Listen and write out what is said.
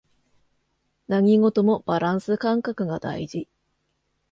何事もバランス感覚が大事